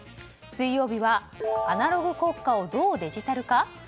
水曜日は、アナログ国家をどうデジタル化？